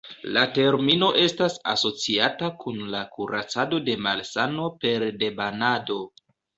La termino estas asociata kun la kuracado de malsano pere de banado.